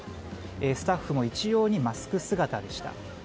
スタッフも一様にマスク姿でした。